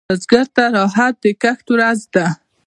بزګر ته راحت د کښت ورځ ده